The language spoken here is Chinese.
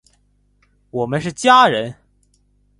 我们是家人！